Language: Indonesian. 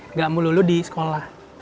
nggak melulu di sekolah